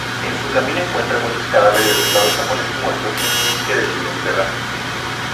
En su camino encuentra muchos cadáveres de soldados japoneses muertos, que decide enterrar.